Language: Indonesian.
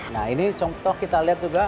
nah ini contoh kita lihat juga